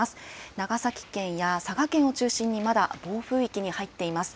長崎県や佐賀県を中心にまだ暴風域に入っています。